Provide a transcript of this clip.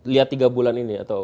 lihat tiga bulan ini atau